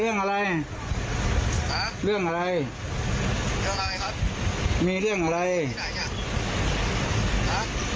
เรื่องอะไรเรื่องอะไรครับมีเรื่องอะไรที่ไหนเนี่ยฮะ